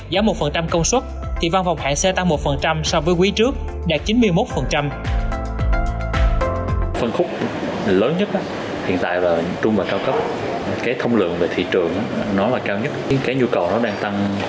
giá một công suất thì văn phòng hạng c tăng một so với quý trước đạt chín mươi một